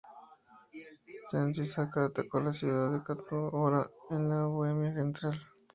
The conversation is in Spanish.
Jan Žižka atacó la ciudad de Kutná Hora, en la Bohemia Central.